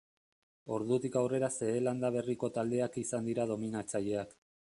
Ordutik aurrera Zeelanda Berriko taldeak izan dira dominatzaileak.